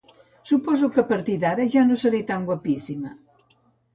Suposo que a partir d'ara ja no seré tan guapíssima